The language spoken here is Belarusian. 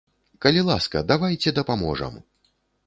Калі ласка, давайце дапаможам!